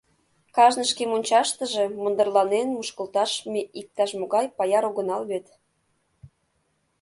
Кажне шке мончаштыже мындырланен мушкылташ ме иктаж-могай паяр огынал вет.